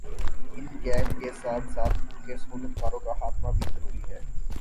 ان gangs کے ساتھ ساتھ انکے سہولت کاروں کا خاتمہ بھی ضروری ہے